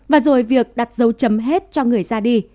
và rồi việc đặt dấu chấm hết cho người ra đi